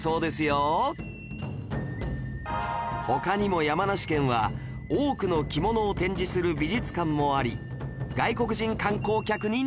他にも山梨県は多くの着物を展示する美術館もあり外国人観光客に人気！